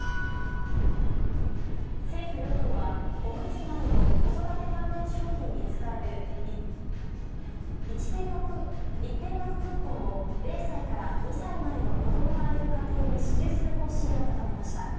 政府・与党はおむつなどの子育て関連商品に使える一定額クーポンを０歳から２歳までの子供がいる家庭に支給する方針を固めました。